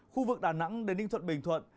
khu vực đà nẵng đến ninh thuận bình thuận